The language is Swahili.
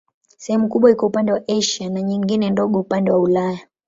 Sehemu kubwa iko upande wa Asia na nyingine ndogo upande wa Ulaya.